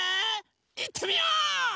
いってみよう！